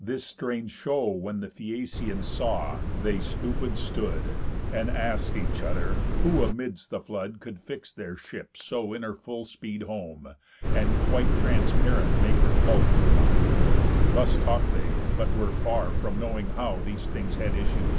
This strange show When the Phæacians saw, they stupid stood, And ask'd each other, who amids the flood Could fix their ship so in her full speed home, And quite transparent make her bulk become? Thus talk'd they; but were far from knowing how These things had issue.